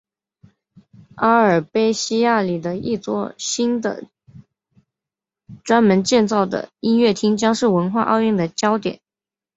阿尔卑西亚里的一座新的专门建造的音乐厅将是文化奥运的焦点。